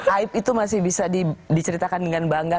aib itu masih bisa diceritakan dengan bangga